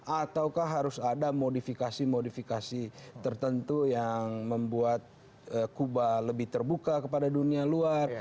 ataukah harus ada modifikasi modifikasi tertentu yang membuat kuba lebih terbuka kepada dunia luar